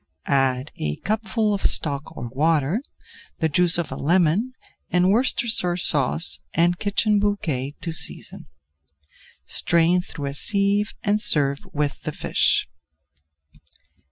Add a cupful of stock or water, the juice of a lemon, and Worcestershire Sauce and kitchen bouquet to season. Strain through a sieve and serve with the fish.